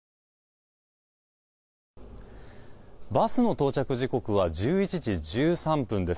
バスの到着時刻は１１時１３分です。